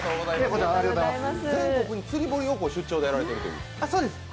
全国に釣堀を出張でやられているという？